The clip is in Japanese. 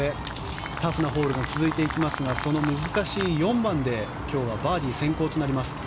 タフなホールが続いていきますがその難しい４番で今日はバーディー先行となります。